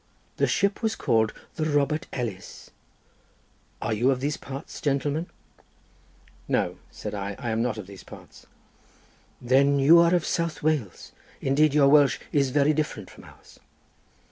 The ship was called the Robert Ellis. Are you of these parts, gentleman?" "No," said I, "I am not of these parts." "Then you are of South Wales—indeed your Welsh is very different from ours."